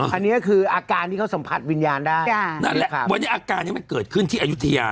อันนี้คืออาการที่เขาสัมผัสวิญญาณได้จ้ะนั่นแหละวันนี้อาการนี้มันเกิดขึ้นที่อายุทยา